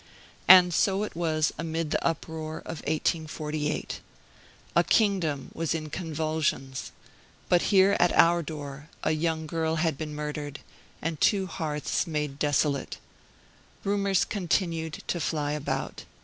And so it was amid the uproar of 1848. A kingdom was in convulsions; but here, at our door, a young girl had been murdered, and two hearths made desolate. Rumors continued to fly about.